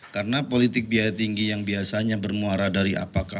karena politik biaya tinggi yang biasanya bermuara dari apakah